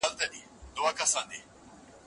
دوی په پوره امانتدارۍ خپل کار کاوه.